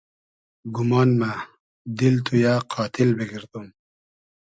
گومان مۂ دیل تو یۂ قاتیل بیگئردوم